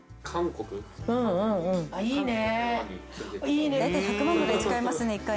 あいいね。